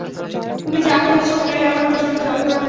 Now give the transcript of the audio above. তুমি যা করেছ ওটায় আমার প্রচণ্ড যন্ত্রণা হয়েছে।